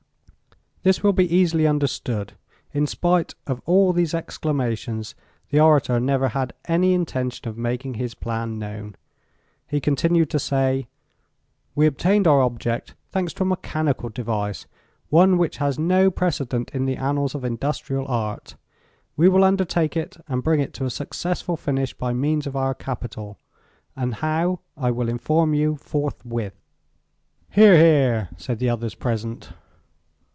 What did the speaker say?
This will be easily understood. In spite of all these exclamations the orator never had any intention of making his plan known. He continued to say: "We obtained our object, thanks to a mechanical device, one which has no precedent in the annals of industrial art. We will undertake it and bring it to a successful finish by means of our capital, and how I will inform you forthwith." "Hear! hear!" said the others present.